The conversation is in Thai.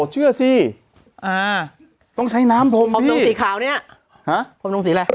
เชื่อสิอ่าต้องใช้น้ำพลมพี่ผมต้องสีขาวเนี้ยฮะผมต้องสีอะไร